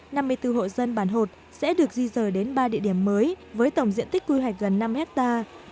dự án năm mươi bốn hộ dân bản hột sẽ được di dời đến ba địa điểm mới với tổng diện tích quy hoạch gần năm hectare